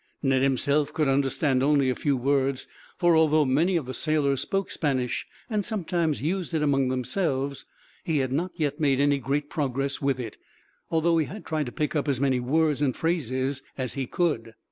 Ned himself could understand only a few words, for although many of the sailors spoke Spanish, and sometimes used it among themselves, he had not yet made any great progress with it, although he had tried to pick up as many words and phrases as he could.